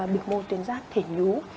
bị môi tuyến giáp thể nhú